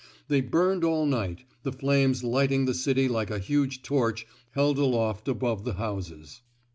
They burned all night, the flames lighting the city like a huge torch held aloft above the houses.